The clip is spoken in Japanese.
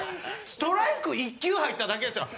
ストライク１球入っただけですよ？